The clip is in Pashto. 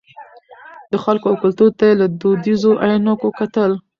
د خلکو او کلتور ته یې له دودیزو عینکو کتل.